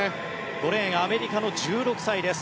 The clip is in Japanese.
５レーンアメリカの１６歳です。